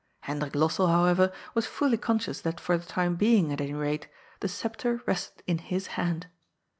96 90D'S FOOU Hendrik Lossell, howeyer, was fully conscious that for the time being, at any rate, the sceptre rested in his hand.